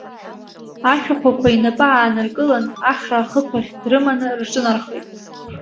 Ашәахәақәа инапы ааныркылан, ахра ахықәахь дрыманы рҿынархеит.